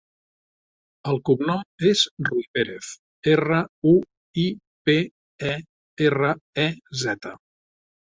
El cognom és Ruiperez: erra, u, i, pe, e, erra, e, zeta.